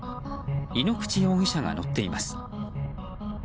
井ノ口容疑者が乗っています。